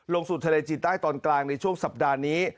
ลงสู่ทะเลจีนใต้ตอนกลางในช่วงสัปดาห์นี้